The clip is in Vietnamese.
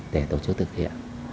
để tổ chức thực hiện